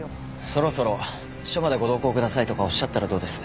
そろそろ「署までご同行ください」とかおっしゃったらどうです？